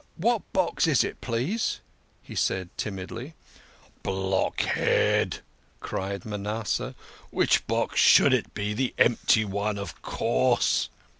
"What box is it, please?" he said timidly. " Blockhead !" cried Manasseh. " Which box should it be? The empty one, of course."